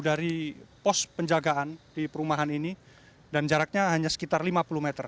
dari pos penjagaan di perumahan ini dan jaraknya hanya sekitar lima puluh meter